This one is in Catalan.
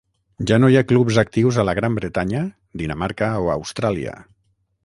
Ja no hi ha clubs actius a la Gran Bretanya, Dinamarca o Austràlia.